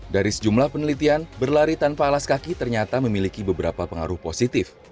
dari sejumlah penelitian berlari tanpa alas kaki ternyata memiliki beberapa pengaruh positif